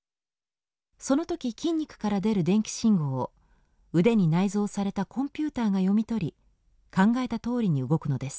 その時筋肉から出る電気信号を腕に内蔵されたコンピューターが読み取り考えたとおりに動くのです。